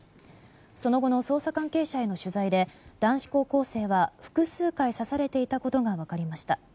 その後の捜査関係者への取材で男子高校生は複数回刺されていたことが分かりました。